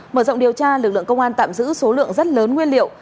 mở rộng điều tra lực lượng công an tạm giữ số lượng rất lớn nguyên liệu